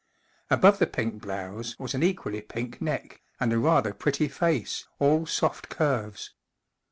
Above the pink blouse was an equally pink neck, and a rather pretty face, all soft curves.